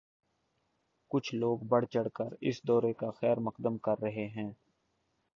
کچھ لوگ بڑھ چڑھ کر اس دورے کا خیر مقدم کر رہے ہیں۔